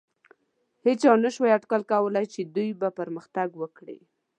هېچا نهشو اټکل کولی، چې دوی به پرمختګ وکړي.